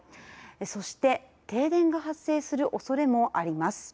そして、停電が発生するおそれもあります。